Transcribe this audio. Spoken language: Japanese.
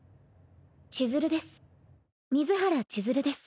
千鶴です。